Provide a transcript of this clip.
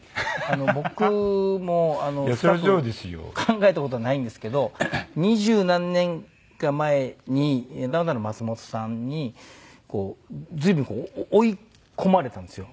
僕もスタッフも考えた事はないんですけど二十何年か前にダウンタウンの松本さんに随分こう追い込まれたんですよ。